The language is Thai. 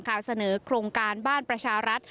เสนอโครงการบ้านประชารัฐ